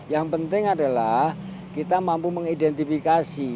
yang penting adalah kita mampu mengidentifikasi